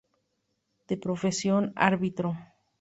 De profesión, árbitro.